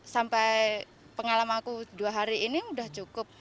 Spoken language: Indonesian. sampai pengalaman aku dua hari ini sudah cukup